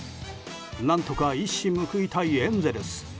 何とか一矢報いたいエンゼルス。